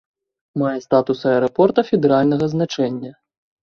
Мае статус аэрапорта федэральнага значэння.